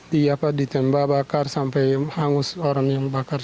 ditembak bakar sampai hangus orang yang bakar